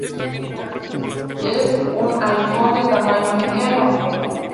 Es un halcón de tamaño mediano.